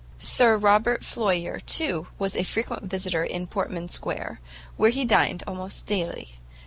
Sir Robert Floyer, too, was a frequent visitor in Portman Square, where he dined almost daily.